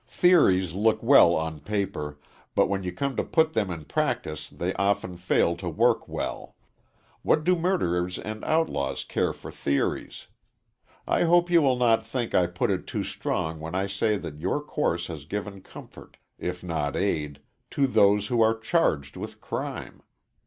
Theories look well on paper, but when you come to put them in practice they often fail to work well. What do murderers and outlaws care for theories. I hope you will not think I put it too strong when I say that your course has given comfort, if not aid, to those who are charged with crime.